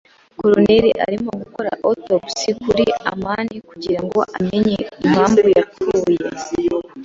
Coroner arimo gukora autopsie kuri amani kugirango amenye impamvu yapfuye.